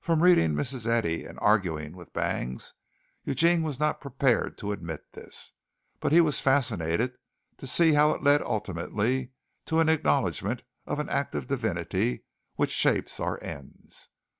From reading Mrs. Eddy and arguing with Bangs, Eugene was not prepared to admit this, but he was fascinated to see how it led ultimately to an acknowledgment of an active Divinity which shapes our ends.